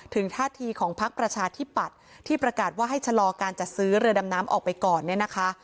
ท่าทีของพักประชาธิปัตย์ที่ประกาศว่าให้ชะลอการจัดซื้อเรือดำน้ำออกไปก่อนเนี่ยนะคะ